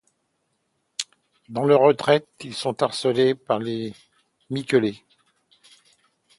Dans leur retraite, ils sont harcelé par les miquelets.